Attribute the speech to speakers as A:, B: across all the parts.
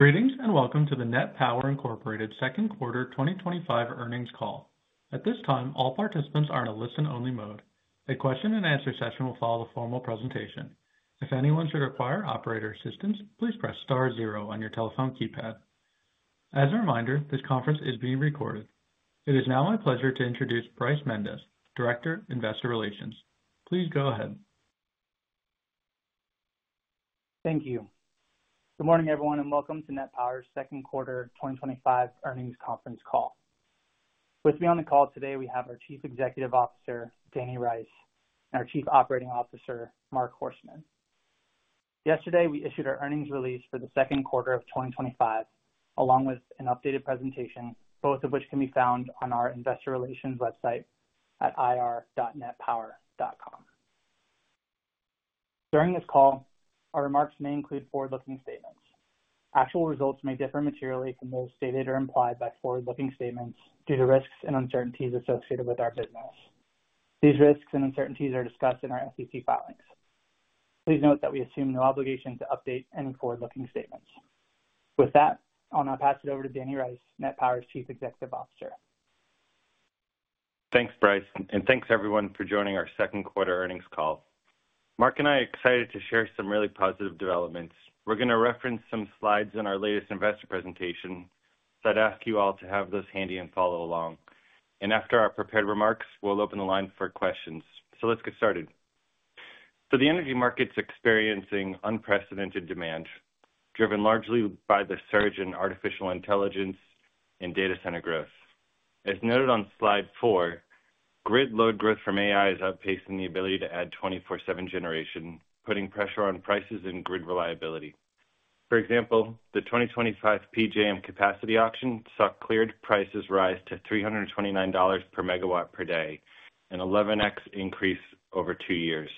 A: Greetings and welcome to the Net Power Incorporated Second Quarter 2025 Earnings Call. At this time, all participants are in a listen-only mode. A question-and-answer session will follow the formal presentation. If anyone should require operator assistance, please press star zero on your telephone keypad. As a reminder, this conference is being recorded. It is now my pleasure to introduce Bryce Mendez, Director, Investor Relations. Please go ahead.
B: Thank you. Good morning, everyone, and welcome to Net Power's Second Quarter 2025 Earnings Conference Call. With me on the call today, we have our Chief Executive Officer, Danny Rice, and our Chief Operating Officer, Mark Horseman. Yesterday, we issued our earnings release for the second quarter of 2025, along with an updated presentation, both of which can be found on our investor relations website at ir.netpower.com. During this call, our remarks may include forward-looking statements. Actual results may differ materially from those stated or implied by forward-looking statements due to risks and uncertainties associated with our business. These risks and uncertainties are discussed in our SEC filings. Please note that we assume no obligation to update any forward-looking statements. With that, I'll now pass it over to Danny Rice, Net Power's Chief Executive Officer.
C: Thanks, Bryce, and thanks, everyone, for joining our second quarter earnings call. Mark and I are excited to share some really positive developments. We're going to reference some slides in our latest investor presentation, so I'd ask you all to have those handy and follow along. After our prepared remarks, we'll open the line for questions. Let's get started. The energy market's experiencing unprecedented demand, driven largely by the surge in artificial intelligence and data center growth. As noted on slide four, grid load growth from AI is outpacing the ability to add 24/7 generation, putting pressure on prices and grid reliability. For example, the 2025 PJM Capacity Auction saw cleared prices rise to $329 per MW per day, an 11x increase over two years.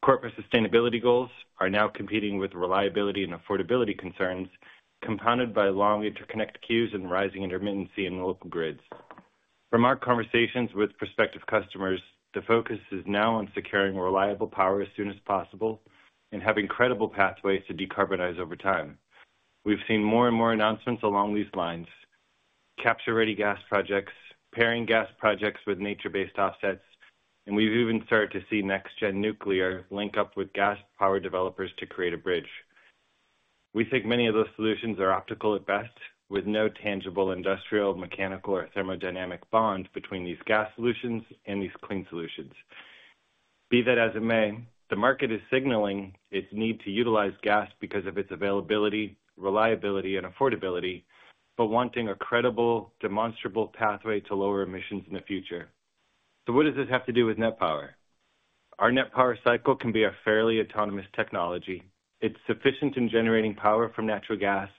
C: Corporate sustainability goals are now competing with reliability and affordability concerns, compounded by long interconnect queues and rising intermittency in local grids. From our conversations with prospective customers, the focus is now on securing reliable power as soon as possible and having credible pathways to decarbonize over time. We've seen more and more announcements along these lines: capture-ready gas projects, pairing gas projects with nature-based offsets, and we've even started to see next-gen nuclear link up with gas power developers to create a bridge. We think many of those solutions are optical at best, with no tangible industrial, mechanical, or thermodynamic bond between these gas solutions and these clean solutions. Be that as it may, the market is signaling its need to utilize gas because of its availability, reliability, and affordability, but wanting a credible, demonstrable pathway to lower emissions in the future. What does this have to do with Net Power? Our Net Power cycle can be a fairly autonomous technology. It's sufficient in generating power from natural gas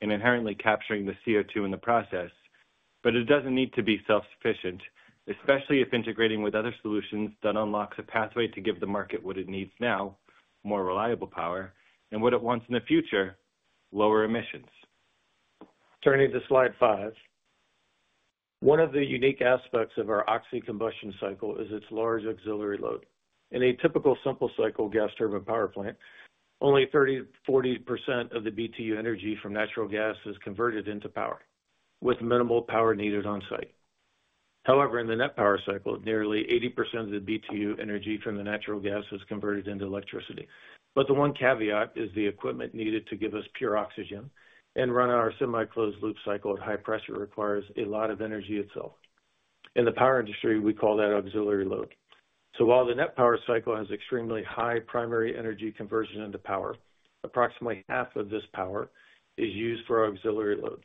C: and inherently capturing the CO2 in the process, but it doesn't need to be self-sufficient, especially if integrating with other solutions that unlock a pathway to give the market what it needs now, more reliable power, and what it wants in the future, lower emissions. Turning to slide five, one of the unique aspects of our oxy-combustion cycle is its large auxiliary load. In a typical simple cycle gas turbine power plant, only 40% of the BTU energy from natural gas is converted into power, with minimal power needed on site. However, in the Net Power cycle, nearly 80% of the BTU energy from the natural gas is converted into electricity. The one caveat is the equipment needed to give us pure oxygen and run our semi-closed loop cycle at high pressure requires a lot of energy itself. In the power industry, we call that auxiliary load. While the Net Power cycle has extremely high primary energy conversion into power, approximately half of this power is used for auxiliary load.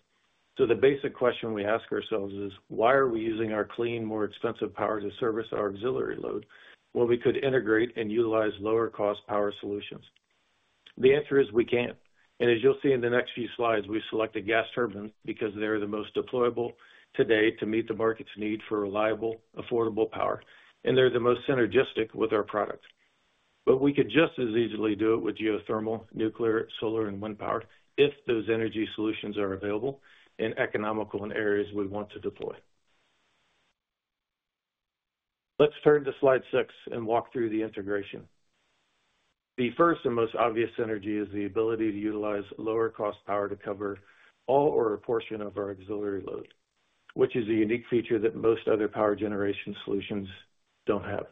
C: The basic question we ask ourselves is, why are we using our clean, more expensive power to service our auxiliary load when we could integrate and utilize lower-cost power solutions? The answer is we can. As you'll see in the next few slides, we selected gas turbines because they're the most deployable today to meet the market's need for reliable, affordable power, and they're the most synergistic with our product. We could just as easily do it with geothermal, nuclear, solar, and wind power if those energy solutions are available and economical in areas we want to deploy. Let's turn to slide 6 and walk through the integration. The first and most obvious synergy is the ability to utilize lower-cost power to cover all or a portion of our auxiliary load, which is a unique feature that most other power generation solutions don't have.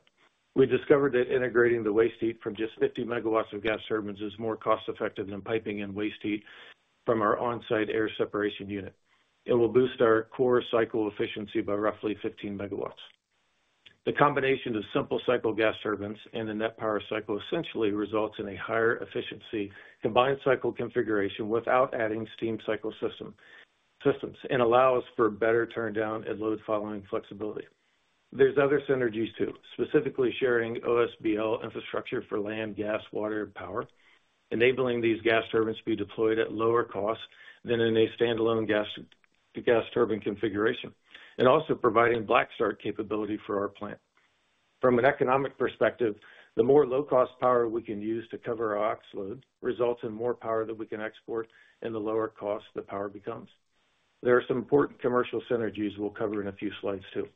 C: We discovered that integrating the waste heat from just 50 MW of gas turbines is more cost-effective than piping in waste heat from our onsite air separation unit. It will boost our core cycle efficiency by roughly 15 MW. The combination of simple cycle gas turbines and the Net Power cycle essentially results in a higher efficiency combined cycle configuration without adding steam cycle systems and allows for better turndown and load-following flexibility. There are other synergies too, specifically sharing OSBL infrastructure for land, gas, water, and power, enabling these gas turbines to be deployed at lower cost than in a standalone gas turbine configuration, and also providing black start capability for our plant. From an economic perspective, the more low-cost power we can use to cover our aux load results in more power that we can export, and the lower cost the power becomes. There are some important commercial synergies we'll cover in a few slides too.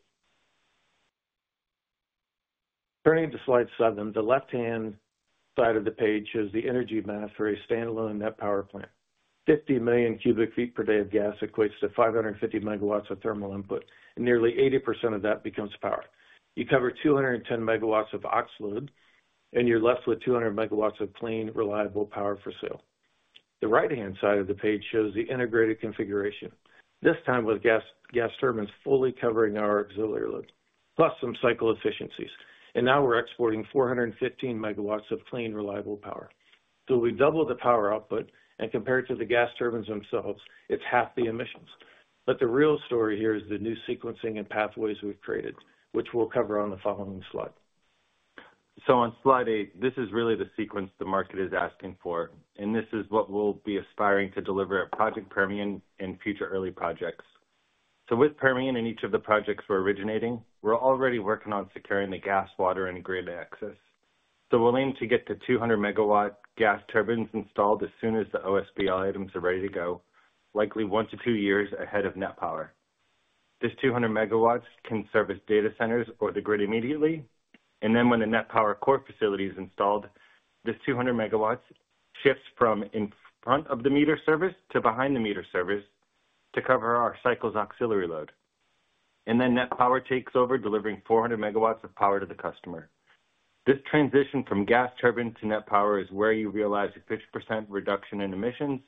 C: Turning to slide seven, the left-hand side of the page shows the energy math for a standalone Net Power plant. 50 million cu ft per day of gas equates to 550 MW of thermal input, and nearly 80% of that becomes power. You cover 210 MW of aux load, and you're left with 200 MW of clean, reliable power for sale. The right-hand side of the page shows the integrated configuration, this time with gas turbines fully covering our auxiliary load, plus some cycle efficiencies. Now we're exporting 415 MW of clean, reliable power. We doubled the power output, and compared to the gas turbines themselves, it's half the emissions. The real story here is the new sequencing and pathways we've created, which we'll cover on the following slide. On slide 8, this is really the sequence the market is asking for, and this is what we'll be aspiring to deliver at Project Permian and future early projects. With Permian and each of the projects we're originating, we're already working on securing the gas, water, and grid access. We'll aim to get the 200-MW gas turbines installed as soon as the OSBL items are ready to go, likely one to two years ahead of Net Power. This 200 MW can service data centers or the grid immediately, and then when the Net Power core facility is installed, this 200 MW shifts from in front of the meter service to behind the meter service to cover our cycle's auxiliary load. Then Net Power takes over, delivering 400 MW of power to the customer. This transition from gas turbine to Net Power is where you realize a 50% reduction in emissions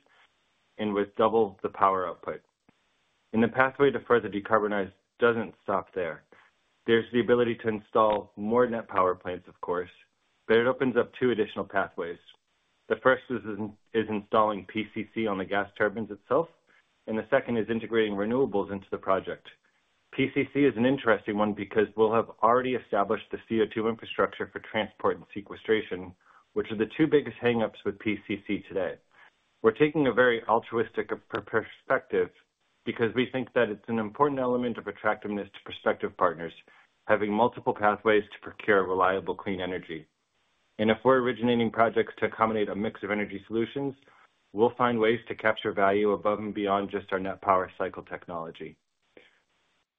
C: and with double the power output. The pathway to further decarbonize doesn't stop there. There's the ability to install more Net Power plants, of course, but it opens up two additional pathways. The first is installing PCC on the gas turbines itself, and the second is integrating renewables into the project. PCC is an interesting one because we'll have already established the CO2 infrastructure for transport and sequestration, which are the two biggest hang-ups with PCC today. We're taking a very altruistic perspective because we think that it's an important element of attractiveness to prospective partners, having multiple pathways to procure reliable, clean energy. If we're originating projects to accommodate a mix of energy solutions, we'll find ways to capture value above and beyond just our Net Power cycle technology.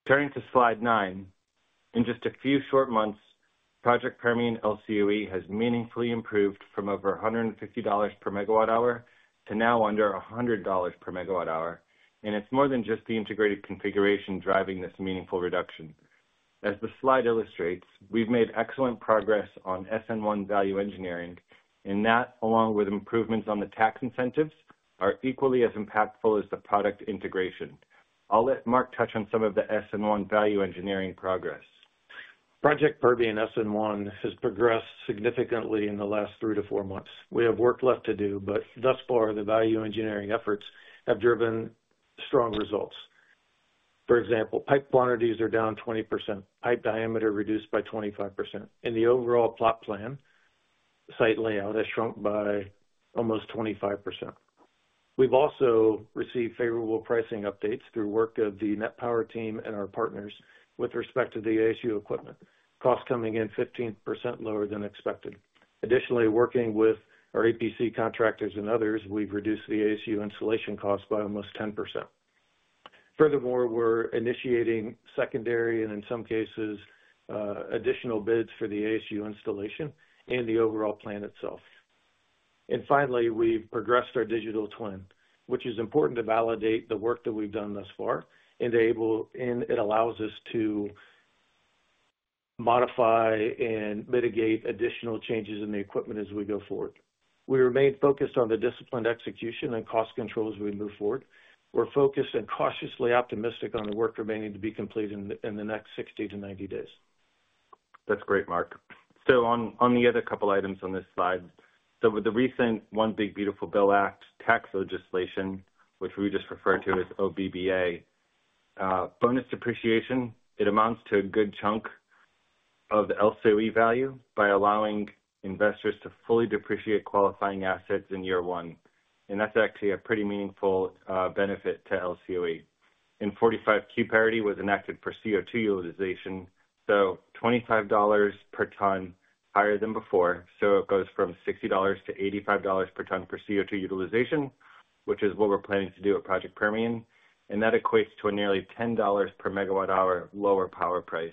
C: Turning to slide nine, in just a few short months, Project Permian LCOE has meaningfully improved from over $150 per MWh to now under $100 per MWh, and it's more than just the integrated configuration driving this meaningful reduction. As the slide illustrates, we've made excellent progress on SN1 value engineering, and that, along with improvements on the tax incentives, are equally as impactful as the product integration. I'll let Mark touch on some of the SN1 value engineering progress.
D: Project Permian SN1 has progressed significantly in the last three to four months. We have work left to do, but thus far, the value engineering efforts have driven strong results. For example, pipe quantities are down 20%, pipe diameter reduced by 25%, and the overall plot plan site layout has shrunk by almost 25%. We've also received favorable pricing updates through work of the Net Power team and our partners with respect to the air separation unit equipment, costs coming in 15% lower than expected. Additionally, working with our APC contractors and others, we've reduced the air separation unit installation cost by almost 10%. Furthermore, we're initiating secondary, and in some cases, additional bids for the air separation unit installation and the overall plan itself. Finally, we've progressed our digital twin, which is important to validate the work that we've done thus far, and it allows us to modify and mitigate additional changes in the equipment as we go forward. We remain focused on the disciplined execution and cost controls as we move forward. We're focused and cautiously optimistic on the work remaining to be completed in the next 60 days-90 days.
C: That's great, Mark. On the other couple of items on this slide, the recent One Big Beautiful Bill Act tax legislation, which we just referred to as OBBA, bonus depreciation, it amounts to a good chunk of the LCOE value by allowing investors to fully depreciate qualifying assets in year one. That's actually a pretty meaningful benefit to LCOE. 45Q parity was enacted for CO2 utilization, so $25 per ton higher than before. It goes from $60 per ton-$85 per ton for CO2 utilization, which is what we're planning to do at Project Permian, and that equates to a nearly $10 per MWh lower power price.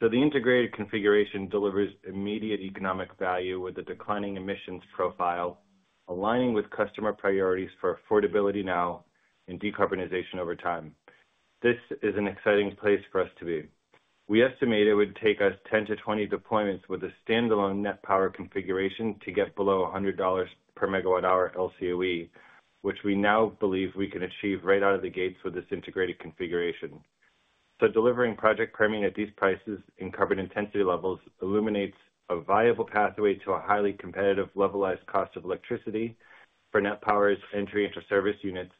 C: The integrated configuration delivers immediate economic value with a declining emissions profile, aligning with customer priorities for affordability now and decarbonization over time. This is an exciting place for us to be. We estimate it would take us 10-20 deployments with a standalone Net Power configuration to get below $100 per MWh LCOE, which we now believe we can achieve right out of the gates with this integrated configuration. Delivering Project Permian at these prices and carbon intensity levels illuminates a viable pathway to a highly competitive levelized cost of electricity for Net Power's entry into service units.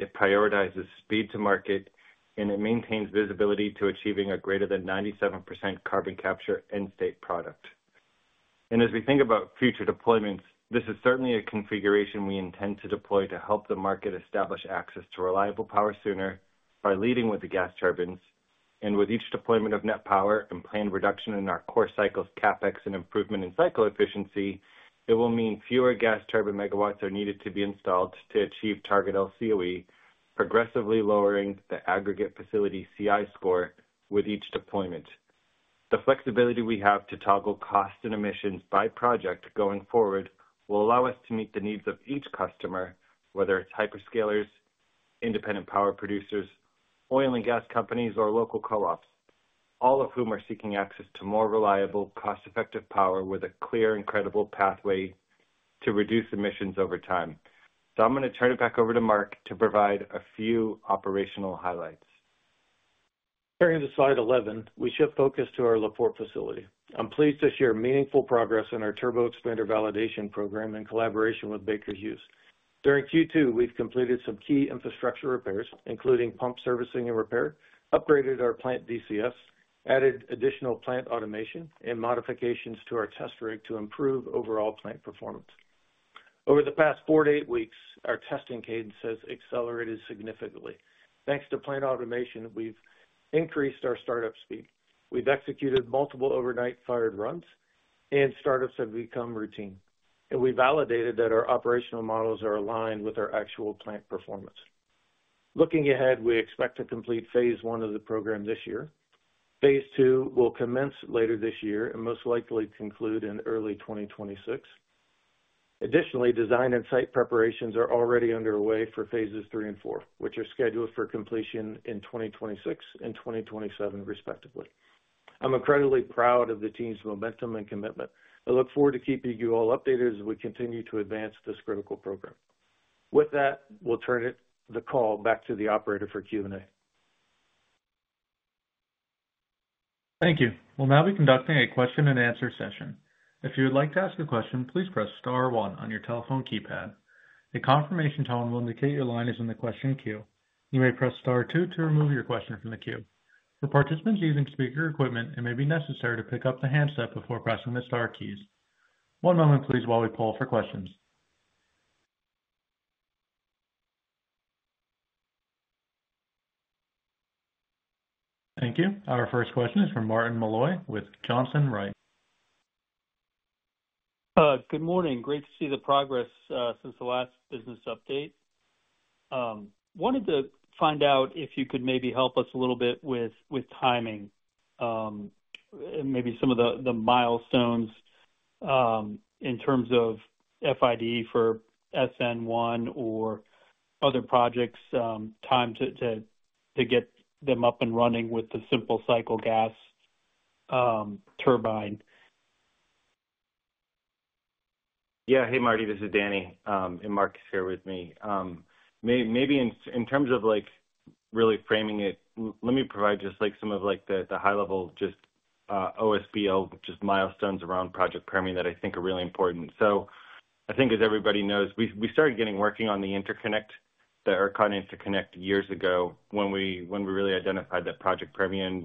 C: It prioritizes speed to market, and it maintains visibility to achieving a greater than 97% carbon capture end-state product. As we think about future deployments, this is certainly a configuration we intend to deploy to help the market establish access to reliable power sooner by leading with the gas turbines. With each deployment of Net Power and planned reduction in our core cycle's CapEx and improvement in cycle efficiency, it will mean fewer gas turbine megawatts are needed to be installed to achieve target LCOE, progressively lowering the aggregate facility CI score with each deployment. The flexibility we have to toggle costs and emissions by project going forward will allow us to meet the needs of each customer, whether it's hyperscalers, independent power producers, oil and gas companies, or local co-ops, all of whom are seeking access to more reliable, cost-effective power with a clear and credible pathway to reduce emissions over time. I'm going to turn it back over to Mark to provide a few operational highlights.
D: Turning to slide 11, we shift focus to our La Porte facility. I'm pleased to share meaningful progress in our turboexpander validation program in collaboration with Baker Hughes. During Q2, we've completed some key infrastructure repairs, including pump servicing and repair, upgraded our plant DCS, added additional plant automation, and modifications to our test rig to improve overall plant performance. Over the past four to eight weeks, our testing cadence has accelerated significantly. Thanks to plant automation, we've increased our startup speed. We've executed multiple overnight fired runs, and startups have become routine. We validated that our operational models are aligned with our actual plant performance. Looking ahead, we expect to complete phase one of the program this year. Phase two will commence later this year and most likely conclude in early 2026. Additionally, design and site preparations are already underway for phases three and four, which are scheduled for completion in 2026 and 2027, respectively. I'm incredibly proud of the team's momentum and commitment. I look forward to keeping you all updated as we continue to advance this critical program. With that, we'll turn the call back to the operator for Q&A.
A: Thank you. We'll now be conducting a question-and-answer session. If you would like to ask a question, please press star one on your telephone keypad. A confirmation tone will indicate your line is in the question queue. You may press star two to remove your question from the queue. For participants using speaker equipment, it may be necessary to pick up the handset before pressing the star keys. One moment, please, while we poll for questions. Thank you. Our first question is from Martin Malloy with Johnson Rice.
E: Good morning. Great to see the progress since the last business update. Wanted to find out if you could maybe help us a little bit with timing and maybe some of the milestones in terms of FID for SN1 or other projects, time to get them up and running with the simple cycle gas turbine.
C: Yeah. Hey, Marty. This is Danny, and Mark is here with me. Maybe in terms of really framing it, let me provide just some of the high-level milestones around Project Permian that I think are really important. I think, as everybody knows, we started working on the interconnect, the ERCOT interconnect, years ago when we really identified that Project Permian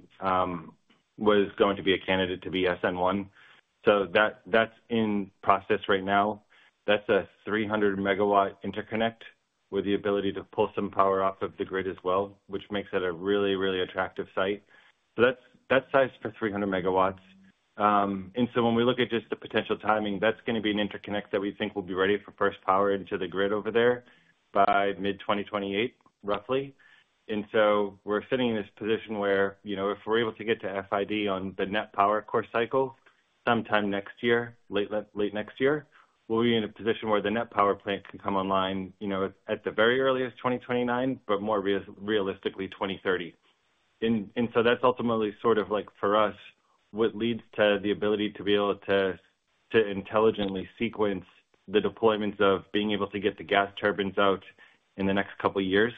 C: was going to be a candidate to be SN1. That's in process right now. That's a 300 MW interconnect with the ability to pull some power off of the grid as well, which makes it a really, really attractive site. That's sized for 300 MW. When we look at the potential timing, that's going to be an interconnect that we think will be ready for first power into the grid over there by mid-2028, roughly. We're sitting in this position where, if we're able to get to FID on the Net Power core cycle sometime next year, late next year, we'll be in a position where the Net Power plant can come online at the very earliest 2029, but more realistically 2030. That's ultimately what leads to the ability to intelligently sequence the deployments of getting the gas turbines out in the next couple of years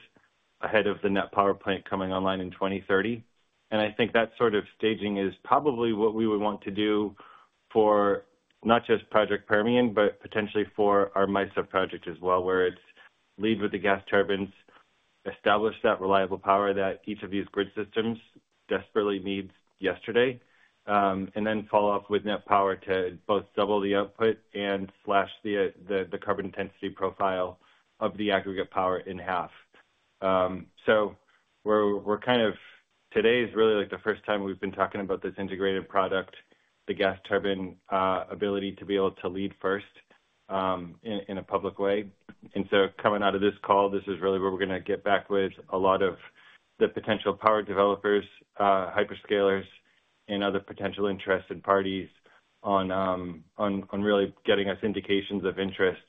C: ahead of the Net Power plant coming online in 2030. I think that sort of staging is probably what we would want to do for not just Project Permian, but potentially for our MISO project as well, where it's lead with the gas turbines, establish that reliable power that each of these grid systems desperately needs yesterday, and then follow up with Net Power to both double the output and slash the carbon intensity profile of the aggregate power in half. Today is really the first time we've been talking about this integrated product, the gas turbine ability to lead first in a public way. Coming out of this call, this is where we're going to get back with a lot of the potential power developers, hyperscalers, and other potential interested parties on really getting us indications of interest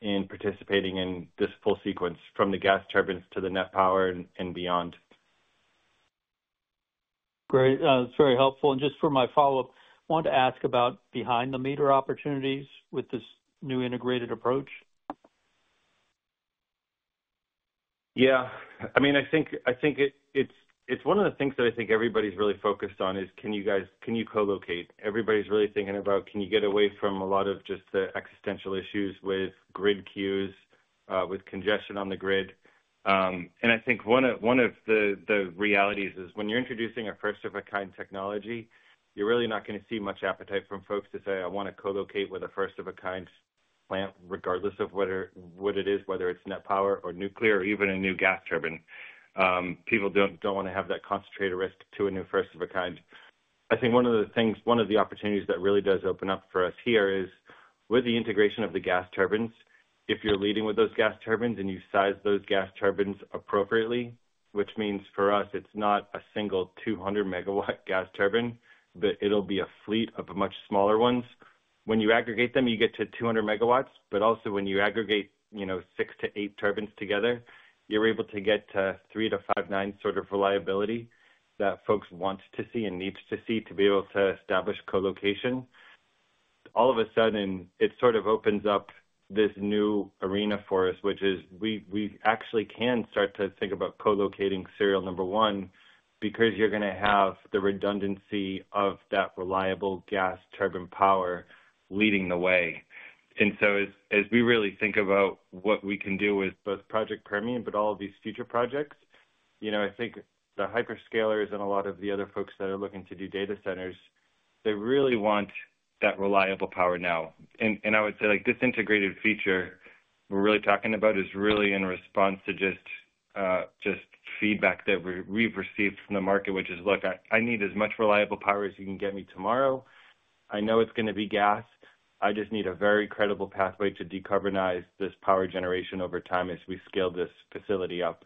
C: in participating in this full sequence from the gas turbines to the Net Power and beyond.
E: Great. That's very helpful. For my follow-up, I wanted to ask about behind-the-meter opportunities with this new integrated approach.
C: Yeah. It's one of the things that I think everybody's really focused on is, can you co-locate? Everybody's really thinking about, can you get away from a lot of just the existential issues with grid queues, with congestion on the grid? I think one of the realities is when you're introducing a first-of-a-kind technology, you're really not going to see much appetite from folks to say, I want to co-locate with a first-of-a-kind plant regardless of what it is, whether it's Net Power or nuclear or even a new gas turbine. People don't want to have that concentrated risk to a new first-of-a-kind. I think one of the opportunities that really does open up for us here is with the integration of the gas turbines, if you're leading with those gas turbines and you size those gas turbines appropriately, which means for us, it's not a single 200-MW gas turbine, but it'll be a fleet of much smaller ones. When you aggregate them, you get to 200 MW, but also when you aggregate six to eight turbines together, you're able to get to three to five-nine reliability that folks want to see and need to see to be able to establish co-location. All of a sudden, it opens up this new arena for us, which is we actually can start to think about co-locating serial number one because you're going to have the redundancy of that reliable gas turbine power leading the way. As we really think about what we can do with both Project Permian, but all of these future projects, I think the hyperscalers and a lot of the other folks that are looking to do data centers, they really want that reliable power now. I would say like this integrated feature we're really talking about is really in response to just feedback that we've received from the market, which is, look, I need as much reliable power as you can get me tomorrow. I know it's going to be gas. I just need a very credible pathway to decarbonize this power generation over time as we scale this facility up.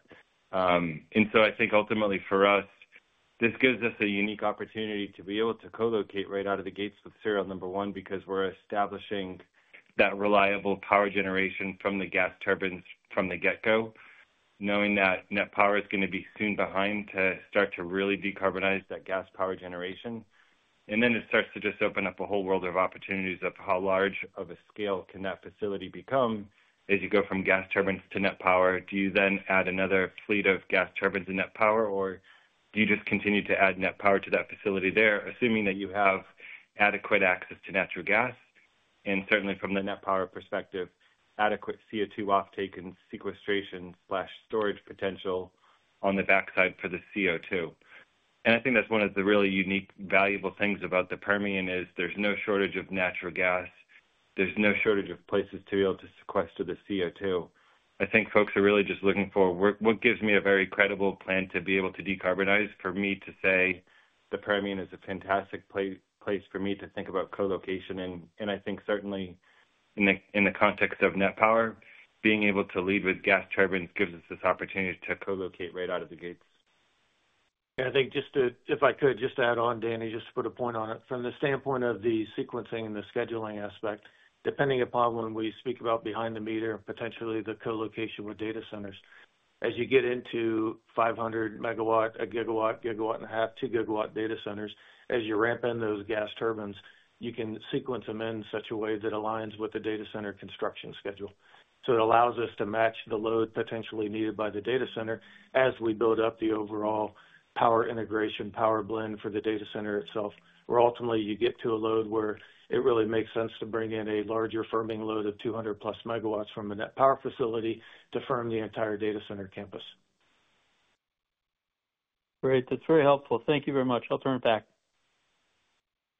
C: I think ultimately for us, this gives us a unique opportunity to be able to co-locate right out of the gates with serial number one because we're establishing that reliable power generation from the gas turbines from the get-go, knowing that Net Power is going to be soon behind to start to really decarbonize that gas power generation. It starts to just open up a whole world of opportunities of how large of a scale can that facility become as you go from gas turbines to Net Power. Do you then add another fleet of gas turbines and [Net Power], or do you just continue to add Net Power to that facility there, assuming that you have adequate access to natural gas? Certainly from the Net Power perspective, adequate CO2 offtake and sequestration/storage potential on the backside for the CO2 is important. I think that's one of the really unique, valuable things about the Permian is there's no shortage of natural gas. There's no shortage of places to be able to sequester the CO2. I think folks are really just looking for what gives me a very credible plan to be able to decarbonize for me to say the Permian is a fantastic place for me to think about co-location. I think certainly in the context of Net Power, being able to lead with gas turbines gives us this opportunity to co-locate right out of the gates.
D: I think just to add on, Danny, just to put a point on it, from the standpoint of the sequencing and the scheduling aspect, depending upon when we speak about behind the meter, potentially the co-location with data centers, as you get into 500 MW, a gigawatt, gigawatt and a half, 2 GW data centers, as you ramp in those gas turbines, you can sequence them in such a way that aligns with the data center construction schedule. It allows us to match the load potentially needed by the data center as we build up the overall power integration, power blend for the data center itself, where ultimately you get to a load where it really makes sense to bring in a larger firming load of 200+ MW from the Net Power facility to firm the entire data center campus.
E: Great. That's very helpful. Thank you very much. I'll turn it back.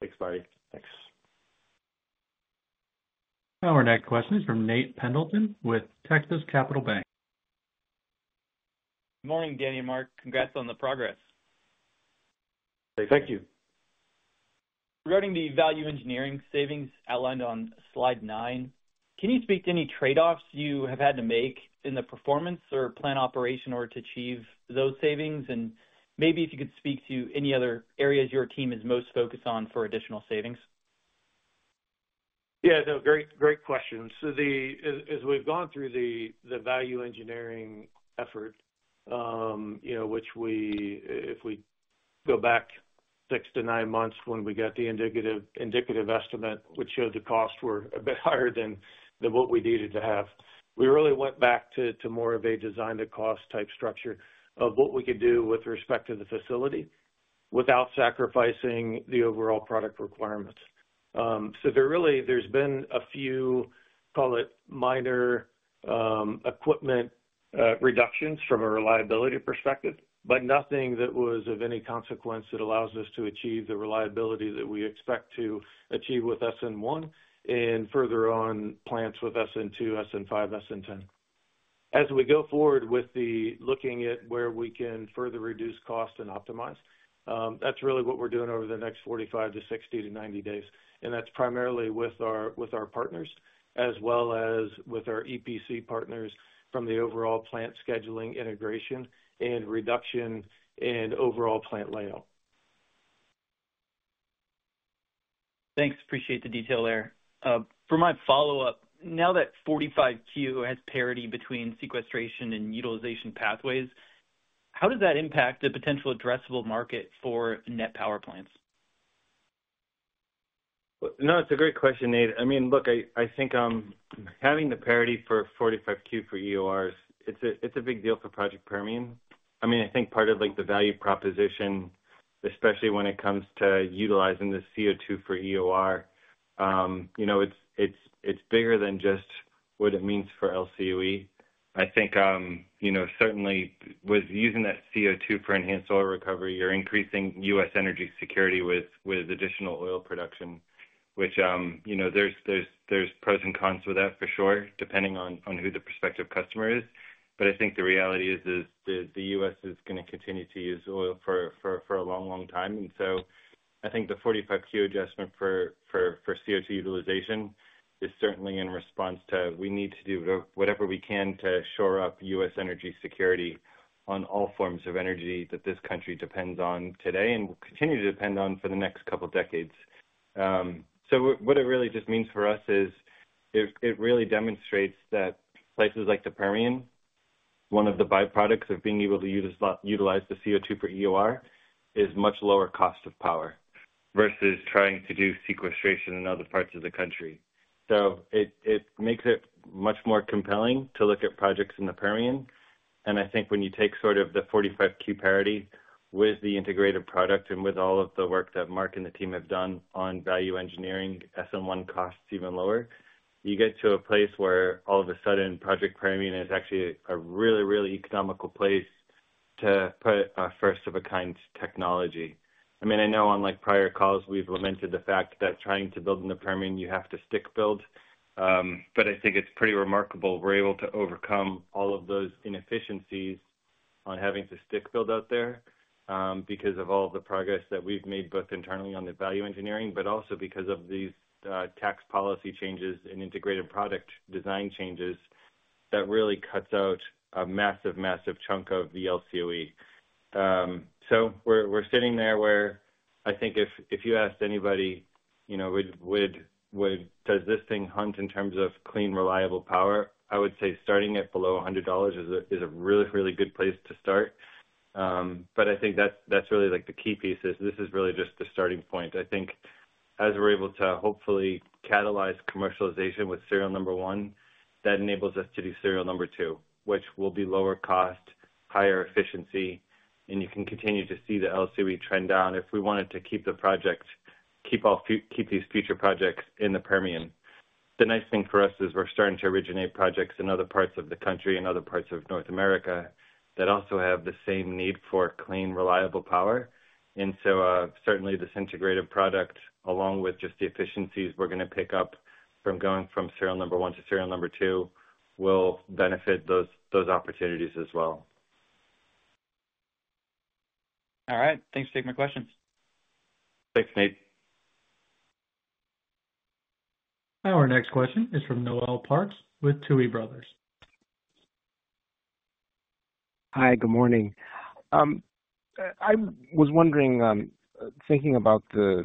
C: Thanks, Marty.
A: Our next question is from Nate Pendleton with Texas Capital Bank.
F: Morning, Danny and Mark. Congrats on the progress.
D: Thank you.
F: Regarding the value engineering savings outlined on slide 9, can you speak to any trade-offs you have had to make in the performance or plant operation in order to achieve those savings? If you could speak to any other areas your team is most focused on for additional savings.
D: Great questions. As we've gone through the value engineering effort, if we go back six to nine months when we got the indicative estimate, which showed the costs were a bit higher than what we needed to have, we really went back to more of a design-to-cost type structure of what we could do with respect to the facility without sacrificing the overall product requirements. There have been a few, call it, minor equipment reductions from a reliability perspective, but nothing that was of any consequence that allows us to achieve the reliability that we expect to achieve with SN1 and further on plants with SN2, SN5, SN10. As we go forward with looking at where we can further reduce cost and optimize, that's really what we're doing over the next 45 daysto 60 days to 90 days. That's primarily with our partners, as well as with our EPC partners from the overall plant scheduling integration and reduction and overall plant layout.
F: Thanks. Appreciate the detail there. For my follow-up, now that 45Q has parity between sequestration and utilization pathways, how does that impact a potential addressable market for Net Power plants?
C: No, it's a great question, Nate. I think having the parity for 45Q for EORs, it's a big deal for Project Permian. I think part of the value proposition, especially when it comes to utilizing the CO2 for EOR, it's bigger than just what it means for LCOE. I think certainly with using that CO2 for enhanced oil recovery, you're increasing U.S. energy security with additional oil production, which, there's pros and cons with that for sure, depending on who the prospective customer is. I think the reality is the U.S. is going to continue to use oil for a long, long time. I think the 45Q adjustment for CO2 utilization is certainly in response to we need to do whatever we can to shore up U.S. energy security on all forms of energy that this country depends on today and will continue to depend on for the next couple of decades. What it really just means for us is it really demonstrates that places like the Permian, one of the byproducts of being able to utilize the CO2 for EOR, is much lower cost of power versus trying to do sequestration in other parts of the country. It makes it much more compelling to look at projects in the Permian. I think when you take the 45Q parity with the integrated product and with all of the work that Mark and the team have done on value engineering, SN1 costs even lower, you get to a place where all of a sudden Project Permian is actually a really, really economical place to put a first-of-a-kind technology. I know on prior calls, we've lamented the fact that trying to build in the Permian, you have to stick build. I think it's pretty remarkable we're able to overcome all of those inefficiencies on having to stick build out there because of all of the progress that we've made both internally on the value engineering, but also because of these tax policy changes and integrated product design changes that really cut out a massive, massive chunk of the LCOE. We're sitting there where I think if you asked anybody does this thing hunt in terms of clean, reliable power? I would say starting at below $100 is a really, really good place to start. I think that's really the key piece is this is really just the starting point. I think as we're able to hopefully catalyze commercialization with serial number one, that enables us to do serial number two, which will be lower cost, higher efficiency, and you can continue to see the LCOE trend down if we wanted to keep all these future projects in the Permian. The nice thing for us is we're starting to originate projects in other parts of the country and other parts of North America that also have the same need for clean, reliable power. Certainly this integrated product, along with just the efficiencies we're going to pick up from going from serial number one to serial number two, will benefit those opportunities as well.
F: All right. Thanks for taking my questions.
C: Thanks, Nate.
A: Our next question is from Noel Parks with Tuohy Brothers.
G: Hi, good morning. I was wondering, thinking about the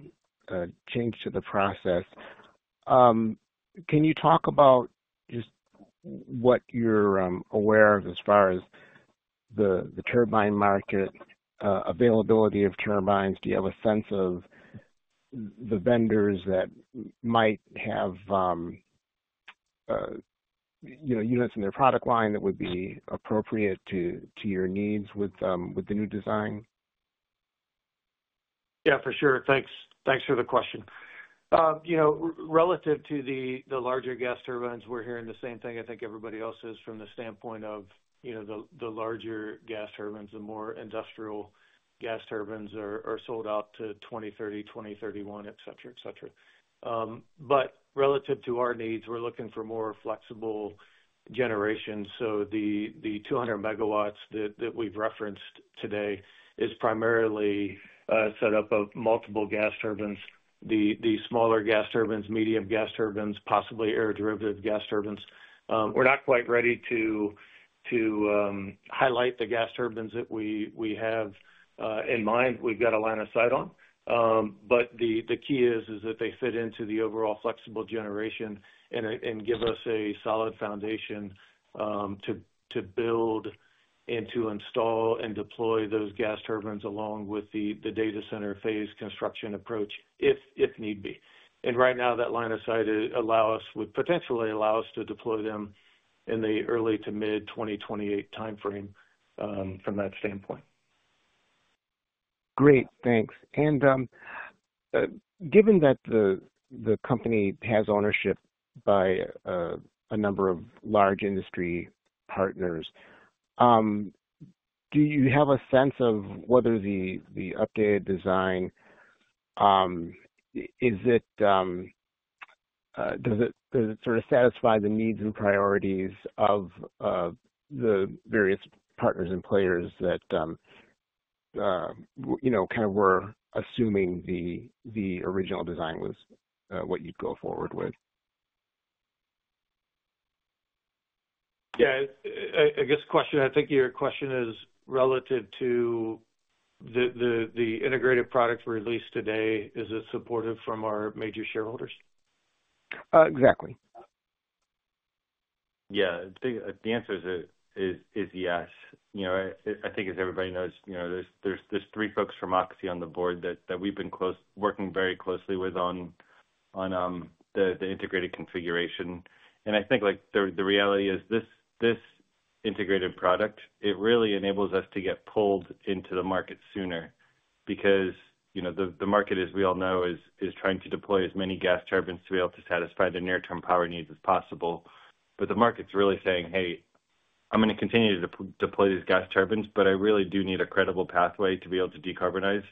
G: change to the process, can you talk about just what you're aware of as far as the turbine market, availability of turbines? Do you have a sense of the vendors that might have units in their product line that would be appropriate to your needs with the new design?
D: Yeah, for sure. Thanks for the question. Relative to the larger gas turbines, we're hearing the same thing I think everybody else is from the standpoint of the larger gas turbines, the more industrial gas turbines are sold out to 2030, 2031, etc. Relative to our needs, we're looking for more flexible generations. The 200 MW that we've referenced today is primarily set up of multiple gas turbines, the smaller gas turbines, medium gas turbines, possibly air-derivative gas turbines. We're not quite ready to highlight the gas turbines that we have in mind. We've got a line of sight on them. The key is that they fit into the overall flexible generation and give us a solid foundation to build and to install and deploy those gas turbines along with the data center phase construction approach if need be. Right now, that line of sight allows us, would potentially allow us to deploy them in the early to mid-2028 timeframe from that standpoint.
G: Thank you. Given that the company has ownership by a number of large industry partners, do you have a sense of whether the updated design satisfies the needs and priorities of the various partners and players that were assuming the original design was what you'd go forward with?
D: I guess your question is relative to the integrated product released today, is it supported from our major shareholders?
G: Exactly.
C: Yeah, I think the answer is yes. I think as everybody knows, there's three folks from Oxy on the board that we've been working very closely with on the integrated configuration. I think the reality is this integrated product really enables us to get pulled into the market sooner because the market, as we all know, is trying to deploy as many gas turbines to be able to satisfy the near-term power needs as possible. The market's really saying, "Hey, I'm going to continue to deploy these gas turbines, but I really do need a credible pathway to be able to decarbonize."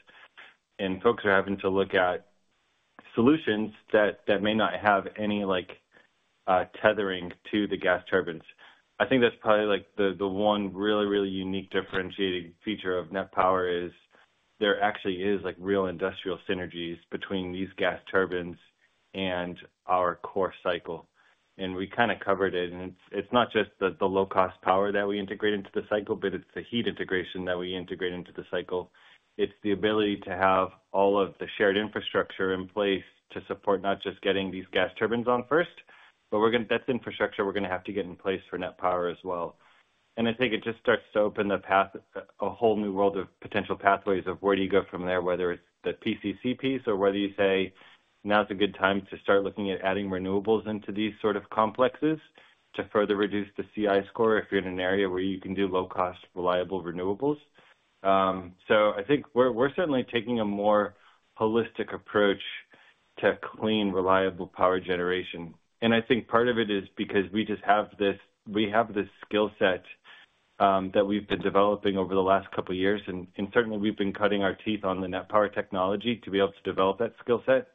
C: Folks are having to look at solutions that may not have any tethering to the gas turbines. I think that's probably the one really, really unique differentiating feature of Net Power is there actually is real industrial synergies between these gas turbines and our core cycle. We covered it. It's not just the low-cost power that we integrate into the cycle, but it's the heat integration that we integrate into the cycle. It's the ability to have all of the shared infrastructure in place to support not just getting these gas turbines on first, but that's infrastructure we're going to have to get in place for Net Power as well. I think it just starts to open a whole new world of potential pathways of where do you go from there, whether it's the PCC piece or whether you say now's a good time to start looking at adding renewables into these sort of complexes to further reduce the CI score if you're in an area where you can do low-cost, reliable renewables. I think we're certainly taking a more holistic approach to clean, reliable power generation. I think part of it is because we just have this, we have this skill set that we've been developing over the last couple of years. Certainly, we've been cutting our teeth on the Net Power technology to be able to develop that skill set.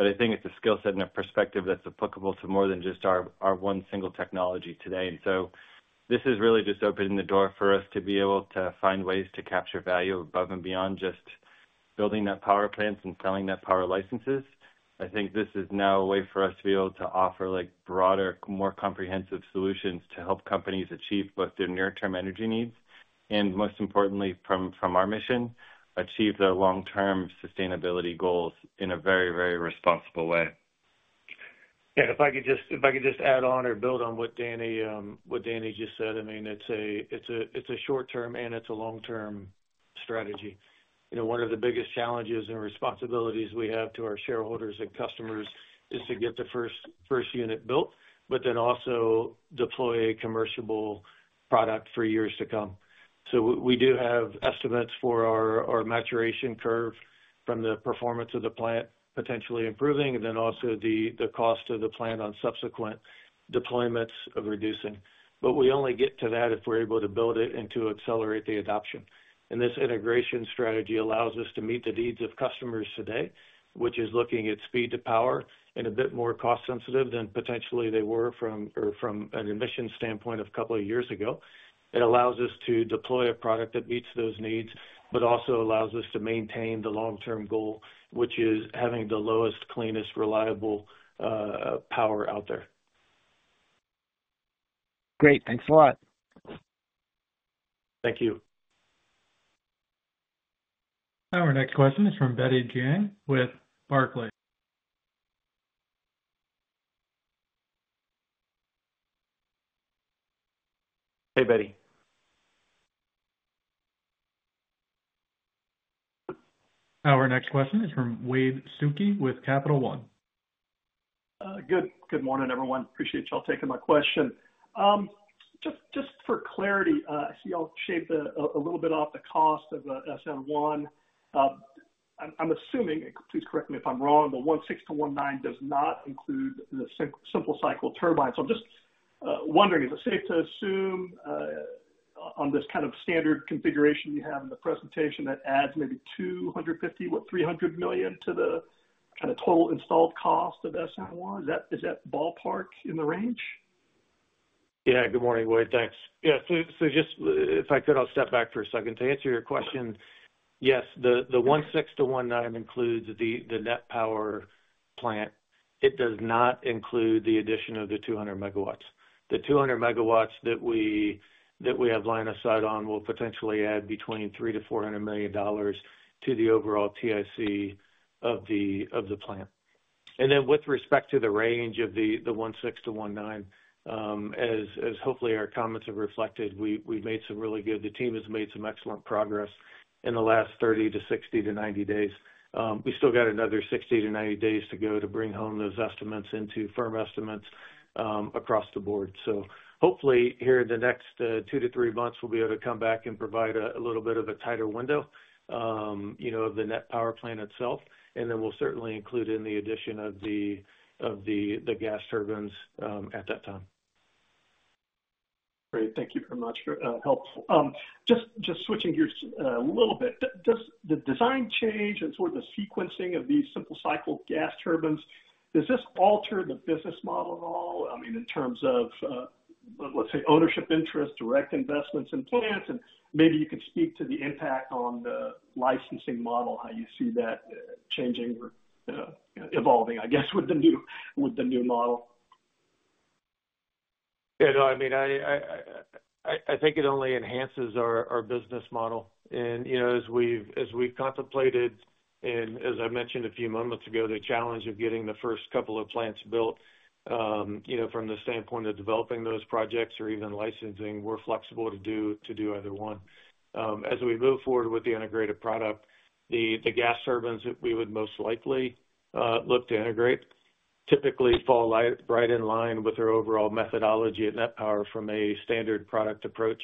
C: I think it's a skill set and a perspective that's applicable to more than just our one single technology today. This has really just opened the door for us to be able to find ways to capture value above and beyond just building that power plant and selling that power licenses. I think this is now a way for us to be able to offer broader, more comprehensive solutions to help companies achieve both their near-term energy needs and most importantly, from our mission, achieve their long-term sustainability goals in a very, very responsible way.
D: Yeah, if I could just add on or build on what Danny just said, I mean, it's a short-term and it's a long-term strategy. One of the biggest challenges and responsibilities we have to our shareholders and customers is to get the first unit built, but then also deploy a commercial product for years to come. We do have estimates for our maturation curve from the performance of the plant potentially improving, and then also the cost of the plant on subsequent deployments reducing. We only get to that if we're able to build it and to accelerate the adoption. This integration strategy allows us to meet the needs of customers today, which is looking at speed to power and a bit more cost-sensitive than potentially they were from an emissions standpoint a couple of years ago. It allows us to deploy a product that meets those needs, but also allows us to maintain the long-term goal, which is having the lowest, cleanest, reliable power out there.
G: Great, thanks a lot.
D: Thank you.
A: Our next question is from Betty Jiang with Barclays.
C: Hey, Betty.
A: Our next question is from Wade Suki with Capital One.
H: Good morning, everyone. Appreciate you all taking my question. Just for clarity, I see you all shaved a little bit off the cost of SN1. I'm assuming, please correct me if I'm wrong, but 16-19 does not include the simple cycle gas turbines. I'm just wondering, is it safe to assume on this standard configuration you have in the presentation that adds maybe $250 million, what, $300 million to the total installed cost of SN1? Is that ballpark in the range?
C: Yeah, good morning, Wade. Thanks. Just if I could, I'll step back for a second. To answer your question, yes, the 16-19 includes the Net Power plant. It does not include the addition of the 200 MW. The 200 MW that we have line of sight on will potentially add between $300 million-$400 million to the overall TIC of the plant. With respect to the range of the 16-19, as hopefully our comments have reflected, we made some really good, the team has made some excellent progress in the last 30 to 60 to 90 days. We still got another 60-90 days to go to bring home those estimates into firm estimates across the board. Hopefully here in the next two to three months, we'll be able to come back and provide a little bit of a tighter window of the Net Power plant itself. We'll certainly include in the addition of the gas turbines at that time.
H: Great. Thank you very much for help. Just switching gears a little bit, does the design change and sort of the sequencing of these simple cycle gas turbines, does this alter the business model at all? In terms of, let's say, ownership interests, direct investments in plants, and maybe you could speak to the impact on the licensing model, how you see that changing or evolving, I guess, with the new model.
D: I think it only enhances our business model. As we've contemplated, and as I mentioned a few moments ago, the challenge of getting the first couple of plants built, from the standpoint of developing those projects or even licensing, we're flexible to do either one. As we move forward with the integrated product, the gas turbines that we would most likely look to integrate typically fall right in line with our overall methodology at Net Power from a standard product approach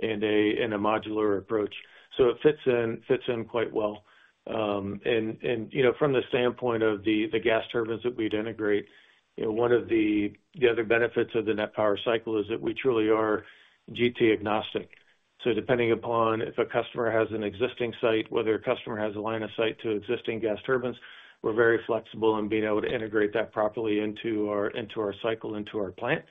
D: and a modular approach. It fits in quite well. From the standpoint of the gas turbines that we'd integrate, one of the other benefits of the Net Power cycle is that we truly are GT-agnostic. Depending upon if a customer has an existing site, whether a customer has a line of sight to existing gas turbines, we're very flexible in being able to integrate that properly into our cycle, into our plant,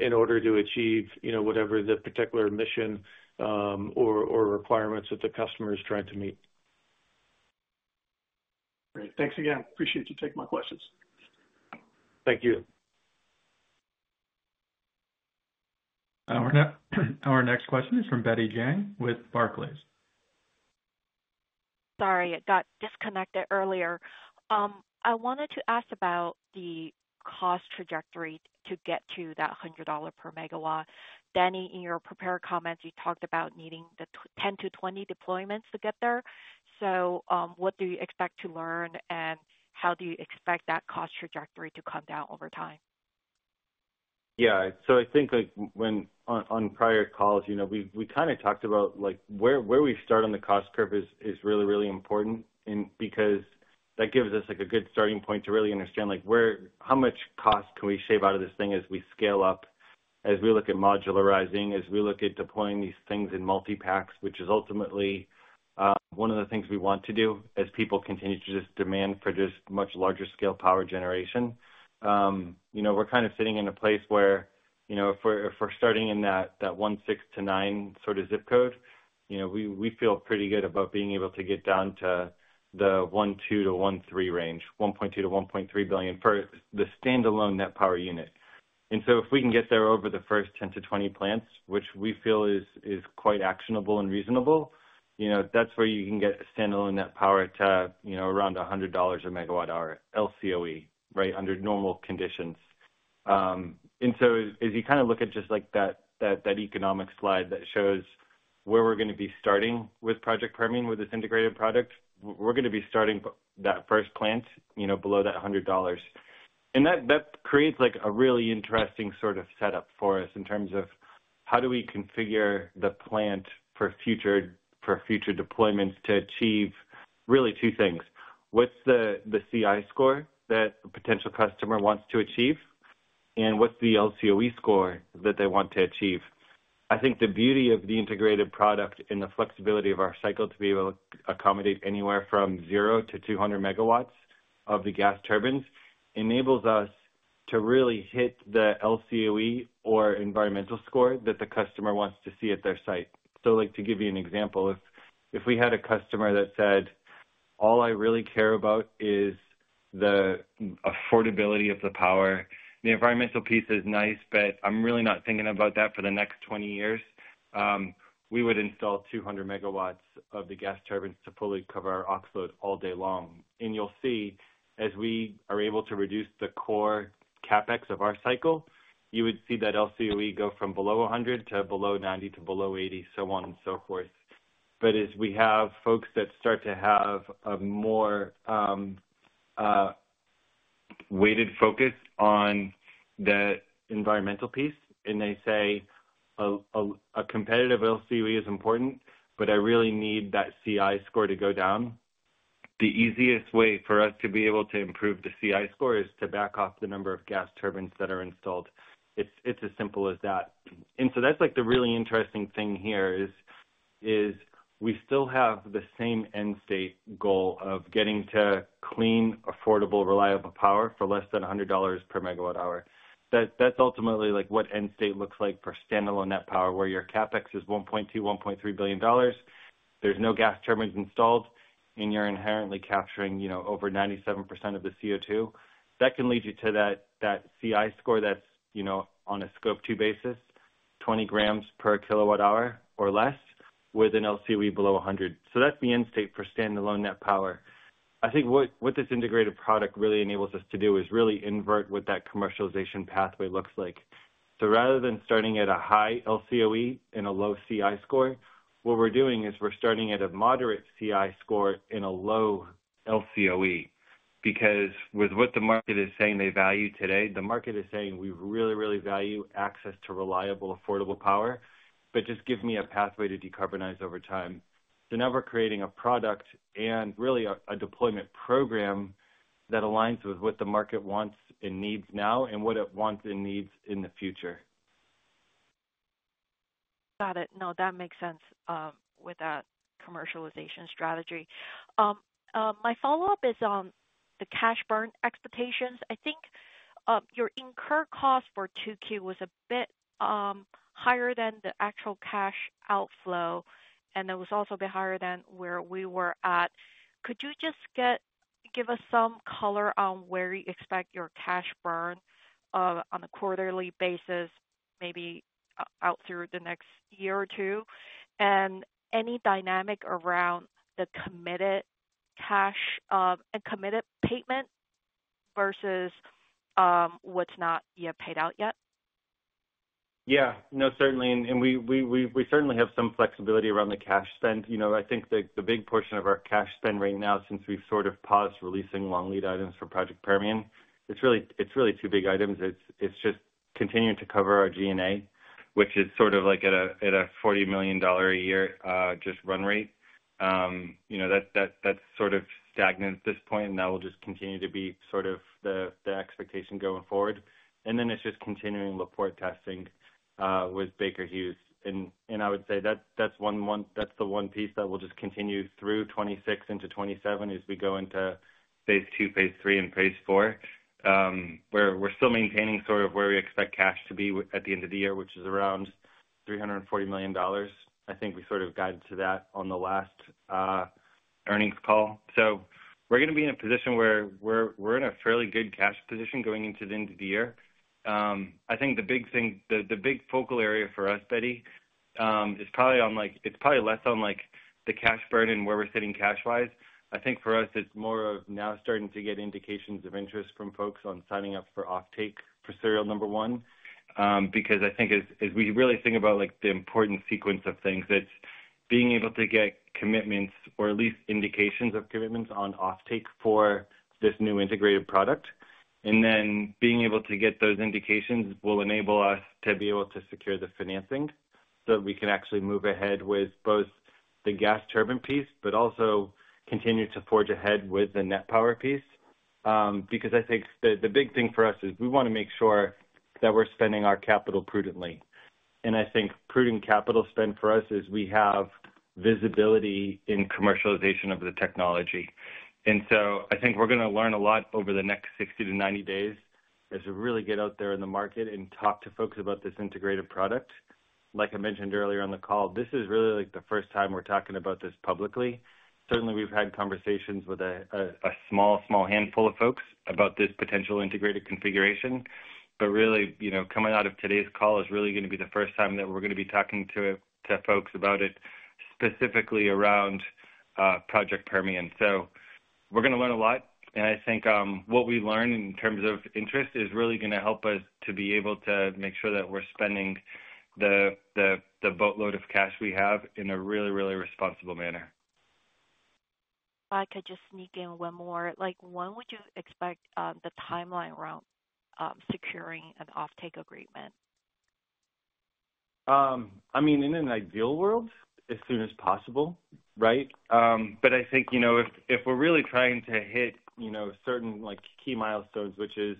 D: in order to achieve whatever the particular mission or requirements that the customer is trying to meet.
H: Great, thanks again. Appreciate you taking my questions.
C: Thank you.
A: Our next question is from Betty Jiang with Barclays.
I: Sorry, it got disconnected earlier. I wanted to ask about the cost trajectory to get to that $100 per MW. Danny, in your prepared comments, you talked about needing the 10-20 deployments to get there. What do you expect to learn and how do you expect that cost trajectory to come down over time?
C: Yeah, so I think like when on prior calls we talked about like where we start on the cost curve is really, really important because that gives us like a good starting point to really understand like how much cost can we shave out of this thing as we scale up, as we look at modularizing, as we look at deploying these things in multi-packs, which is ultimately one of the things we want to do as people continue to just demand for this much larger scale power generation. We're kind of sitting in a place where, you know, if we're starting in that $1.6 billion-$1.9 billion zip code, we feel pretty good about being able to get down to the $1.2 billion-$1.3 billion range, $1.2 billion-$1.3 billion for the standalone Net Power unit. If we can get there over the first 10-20 plants, which we feel is quite actionable and reasonable, that's where you can get a standalone Net Power to around $100 a MWh LCOE under normal conditions. As you look at just that economic slide that shows where we're going to be starting with Project Permian with this integrated product, we're going to be starting that first plant below that $100. That creates like a really interesting setup for us in terms of how do we configure the plant for future deployments to achieve really two things. What's the CI score that a potential customer wants to achieve? What's the LCOE score that they want to achieve? I think the beauty of the integrated product and the flexibility of our cycle to be able to accommodate anywhere from 0 MW-200 MW of the gas turbines enables us to really hit the LCOE or environmental score that the customer wants to see at their site. Like to give you an example, if we had a customer that said, "All I really care about is the affordability of the power. The environmental piece is nice, but I'm really not thinking about that for the next 20 years," we would install 200 MW of the gas turbines to fully cover our ox load all day long. You'll see, as we are able to reduce the core CapEx of our cycle, you would see that LCOE go from below $100 to below $90 to below $80, so on and so forth. As we have folks that start to have a more weighted focus on the environmental piece and they say, "A competitive LCOE is important, but I really need that CI score to go down," the easiest way for us to be able to improve the CI score is to back off the number of gas turbines that are installed. It's as simple as that. That's the really interesting thing here. We still have the same end-state goal of getting to clean, affordable, reliable power for less than $100 per MWh. That's ultimately what end-state looks like for standalone Net Power where your CapEx is $1.2 billion, $1.3 billion. There's no gas turbines installed, and you're inherently capturing over 97% of the CO2. That can lead you to that CI score that's, on a scope 2 basis, 20 g/kWh or less with an LCOE below 100. That's the end-state for standalone Net Power. I think what this integrated product really enables us to do is really invert what that commercialization pathway looks like. Rather than starting at a high LCOE and a low CI score, what we're doing is we're starting at a moderate CI score and a low LCOE because with what the market is saying they value today, the market is saying we really, really value access to reliable, affordable power, but just give me a pathway to decarbonize over time. Now we're creating a product and really a deployment program that aligns with what the market wants and needs now and what it wants and needs in the future.
I: Got it. No, that makes sense with that commercialization strategy. My follow-up is on the cash burn expectations. I think your incurred cost for 2Q was a bit higher than the actual cash outflow, and it was also a bit higher than where we were at. Could you just give us some color on where you expect your cash burn on a quarterly basis, maybe out through the next year or two? Any dynamic around the committed cash and committed payment versus what's not yet paid out yet?
C: Yeah, no, certainly. We certainly have some flexibility around the cash spend. I think the big portion of our cash spend right now, since we've paused releasing long lead items for Project Permian, it's really two big items. It's just continuing to cover our G&A, which is at a $40 million a year run rate. That's stagnant at this point, and that will just continue to be the expectation going forward. It's just continuing report testing with Baker Hughes. I would say that's the one piece that will just continue through 2026 into 2027 as we go into phase two, phase three, and phase four. We're still maintaining sort of where we expect cash to be at the end of the year, which is around $340 million. I think we guided to that on the last earnings call. We're going to be in a position where we're in a fairly good cash position going into the end of the year. I think the big thing, the big focal area for us, Betty, is probably less on the cash burden where we're sitting cash-wise. I think for us, it's more of now starting to get indications of interest from folks on signing up for offtake for serial number one, because I think as we really think about the important sequence of things, it's being able to get commitments or at least indications of commitments on offtake for this new integrated product. Being able to get those indications will enable us to be able to secure the financing so that we can actually move ahead with both the gas turbine piece, but also continue to forge ahead with the Net Power piece. I think the big thing for us is we want to make sure that we're spending our capital prudently. I think prudent capital spend for us is we have visibility in commercialization of the technology. I think we're going to learn a lot over the next 60-90 days as we really get out there in the market and talk to folks about this integrated product. Like I mentioned earlier on the call, this is really the first time we're talking about this publicly. Certainly, we've had conversations with a small, small handful of folks about this potential integrated configuration. Really, coming out of today's call is really going to be the first time that we're going to be talking to folks about it specifically around Project Permian. We're going to learn a lot. I think what we learn in terms of interest is really going to help us to be able to make sure that we're spending the boatload of cash we have in a really, really responsible manner.
I: If I could just sneak in one more, when would you expect the timeline around securing an offtake agreement?
C: I mean, in an ideal world, as soon as possible, right? I think if we're really trying to hit certain key milestones, which is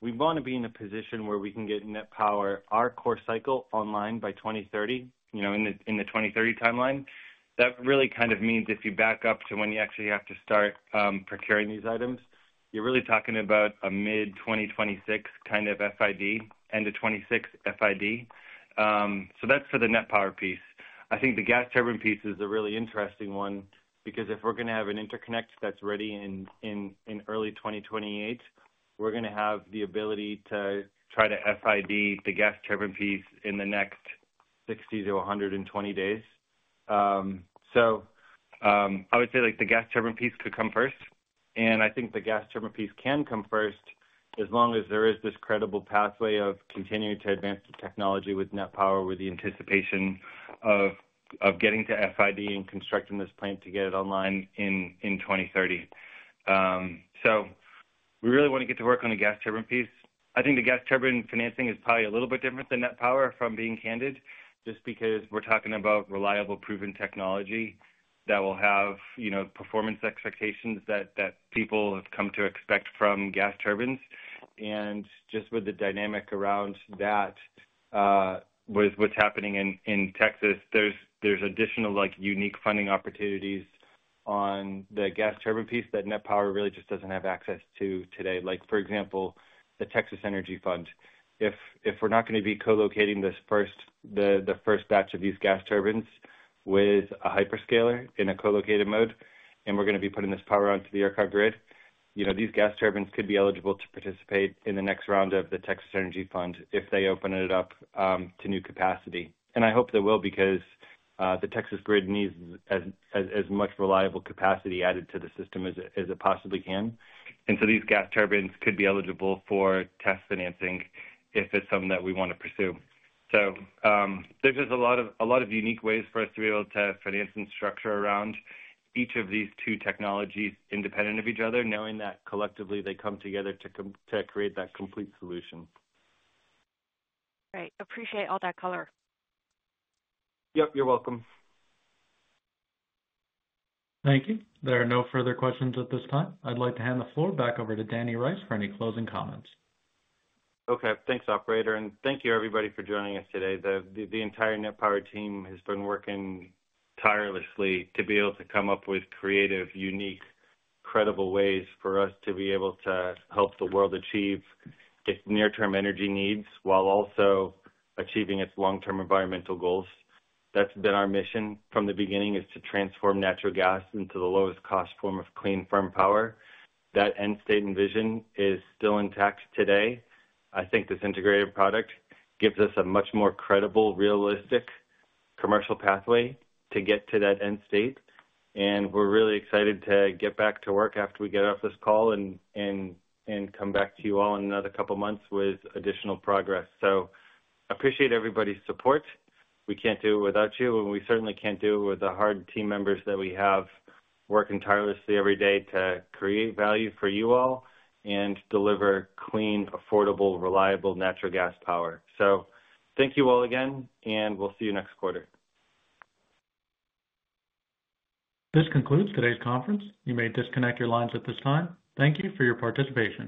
C: we want to be in a position where we can get Net Power, our core cycle, online by 2030, in the 2030 timeline, that really means if you back up to when you actually have to start procuring these items, you're really talking about a mid-2026 kind of FID, end of 2026 FID. That's for the Net Power piece. I think the gas turbine piece is a really interesting one because if we're going to have an interconnect that's ready in early 2028, we're going to have the ability to try to FID the gas turbine piece in the next 60-120 days. I would say the gas turbine piece could come first. I think the gas turbine piece can come first as long as there is this credible pathway of continuing to advance the technology with Net Power with the anticipation of getting to FID and constructing this plant to get it online in 2030. We really want to get to work on the gas turbine piece. I think the gas turbine financing is probably a little bit different than Net Power, if I'm being candid, just because we're talking about reliable, proven technology that will have performance expectations that people have come to expect from gas turbines. Just with the dynamic around that with what's happening in Texas, there's additional like unique funding opportunities on the gas turbine piece that Net Power really just doesn't have access to today. For example, the Texas Energy Fund. If we're not going to be co-locating this first batch of these gas turbines with a hyperscaler in a co-located mode, and we're going to be putting this power onto the ERCOT grid, you know, these gas turbines could be eligible to participate in the next round of the Texas Energy Fund if they open it up to new capacity. I hope they will because the Texas grid needs as much reliable capacity added to the system as it possibly can. These gas turbines could be eligible for test financing if it's something that we want to pursue. There's just a lot of unique ways for us to be able to finance and structure around each of these two technologies independent of each other, knowing that collectively they come together to create that complete solution.
I: Great. Appreciate all that color.
C: Yep, you're welcome.
A: Thank you. There are no further questions at this time. I'd like to hand the floor back over to Danny Rice for any closing comments.
C: Okay, thanks, operator. Thank you, everybody, for joining us today. The entire Net Power team has been working tirelessly to be able to come up with creative, unique, credible ways for us to be able to help the world achieve its near-term energy needs while also achieving its long-term environmental goals. That's been our mission from the beginning, to transform natural gas into the lowest cost form of clean, firm power. That end-state and vision is still intact today. I think this integrated product gives us a much more credible, realistic commercial pathway to get to that end state. We're really excited to get back to work after we get off this call and come back to you all in another couple of months with additional progress. I appreciate everybody's support.-We can't do it without you, and we certainly can't do it without the hard team members that we have working tirelessly every day to create value for you all and deliver clean, affordable, reliable natural gas power. Thank you all again, and we'll see you next quarter.
A: This concludes today's conference. You may disconnect your lines at this time. Thank you for your participation.